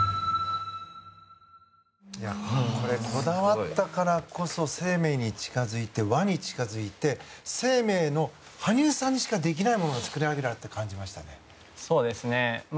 こだわったからこそ「ＳＥＩＭＥＩ」に近づいて和に近づいて「ＳＥＩＭＥＩ」の羽生さんにしかできないものが作り上げられたと感じましたね。